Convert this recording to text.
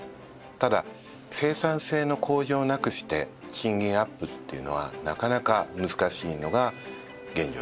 ただ生産性の向上なくして賃金アップというのはなかなか難しいのが現状です。